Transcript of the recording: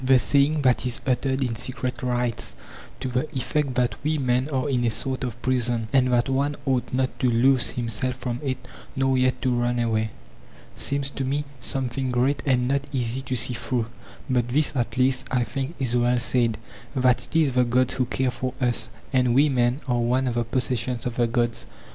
The saying that is uttered in secret rites, to the effect that we men are in a sort of prison, and that one ought not to loose himself from it nor yet to run away, seems to me something great and not easy to see through ; but this at least I think is well said, that it is the gods who care for us, and we men are one of the possessions of the gods.